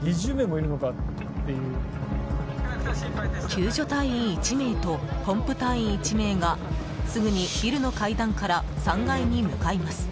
救助隊員１名とポンプ隊員１名がすぐにビルの階段から３階に向かいます。